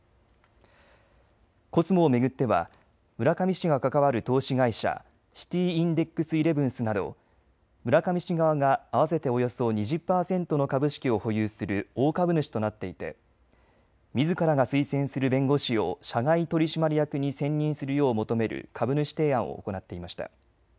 コスモを巡っては村上氏が関わる投資会社、シティインデックスイレブンスなど村上氏側が合わせておよそ２０％の株式を保有する大株主となっていてみずからが推薦する弁護士を社外取締役に選任するよう求める株主提案を行っていました。